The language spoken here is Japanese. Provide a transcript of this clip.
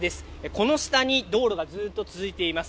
この下に道路がずっと続いています。